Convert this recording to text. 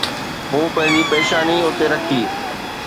مون پنهنجي پيشاني اتي رکي.